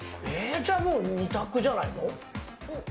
じゃあもう２択じゃない？